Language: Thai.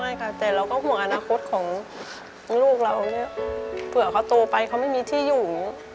ไม่ค่ะแต่เราก็ห่วงอนาคตของลูกเราเนี่ยเผื่อเขาตัวไปเขาไม่มีที่อยู่